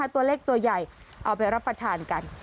ตัวเล็กตัวใหญ่เอาไปรับประทานกัน